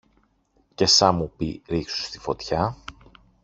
Και σα μου πει ρίξου στη φωτιά